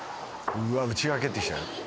うわ内側蹴ってきた